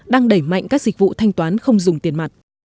đang đẩy mạnh các dịch vụ thanh toán không dùng tiền mặt